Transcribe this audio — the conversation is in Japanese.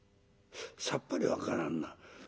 「さっぱり分からんな。